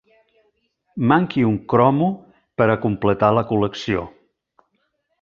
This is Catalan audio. Manqui un cromo per a completar la col·lecció.